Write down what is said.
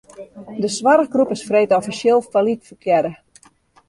De soarchgroep is freed offisjeel fallyt ferklearre.